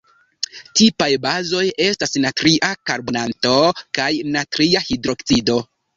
Tipaj bazoj estas natria karbonato kaj natria hidroksido.